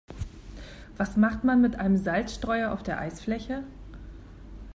Was macht man mit einem Salzstreuer auf der Eisfläche?